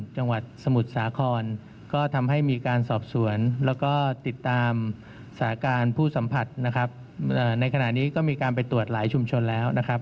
จังหวัดสมุทรสาครก็ทำให้มีการสอบสวนแล้วก็ติดตามสาการผู้สัมผัสนะครับในขณะนี้ก็มีการไปตรวจหลายชุมชนแล้วนะครับ